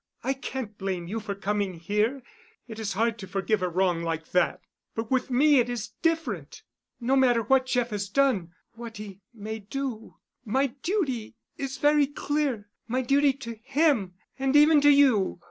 I can't blame you for coming here. It is hard to forgive a wrong like that. But with me it is different. No matter what Jeff has done, what he may do, my duty is very clear—my duty to him, and even to you.